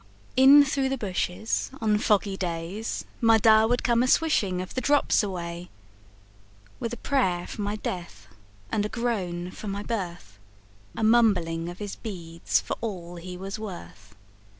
In through the bushes, on foggy days, My Da would come a swishing of the drops away, With a prayer for my death and a groan for my birth, A mumbling of his beads for all he was worth.